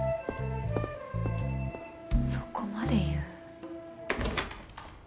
そこまで言う？